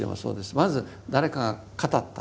まず誰かが語った。